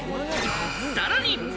さらに。